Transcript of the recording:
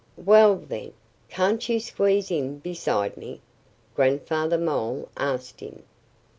"Well, then can't you squeeze in beside me?" Grandfather Mole asked him.